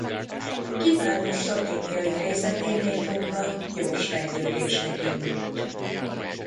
Kiváló stratégiai helyzeténél fogva gyors fejlődésnek indult.